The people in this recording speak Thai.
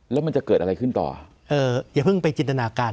แล้วมันจะเกิดอะไรขึ้นต่อเอ่ออย่าเพิ่งไปจินตนาการ